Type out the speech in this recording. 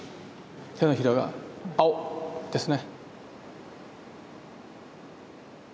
手のひらが青！ですね。